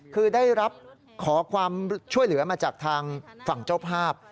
คือได้รับขอความช่วยเหลือมาจากทางฝั่งเจ้าภาพ